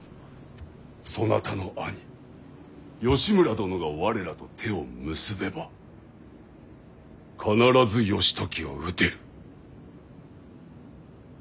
そなたの兄義村殿が我らと手を結べば必ず義時を討てる。